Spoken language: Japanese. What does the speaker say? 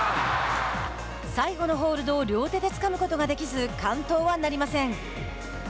最後のホールドを両手でつかむことができず完登はなりません。